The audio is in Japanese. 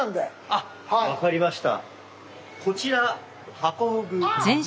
あっ分かりました。